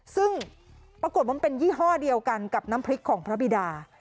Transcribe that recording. ซึ่งปรากฏว่ามันเป็นยี่ห้อเดียวกันกับน้ำพริกของพระบิดา